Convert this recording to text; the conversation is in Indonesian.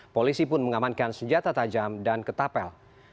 polisi pun mengamankan senjata tajam dan ketapel